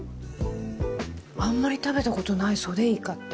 あんまり食べたことないソデイカって。